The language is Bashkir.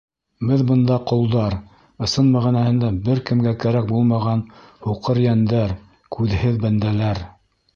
Беҙ бында ҡолдар, ысын мәғәнәһендә бер кемгә кәрәк булмаған һуҡыр йәндәр, күҙһеҙ бәндәләр.